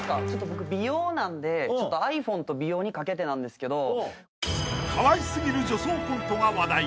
僕美容なんでｉＰｈｏｎｅと美容に掛けてなんですけど。